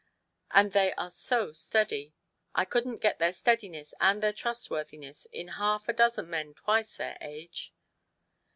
And they are so steady. I couldn't get their steadiness and their trustworthiness in half a dozen men twice their age."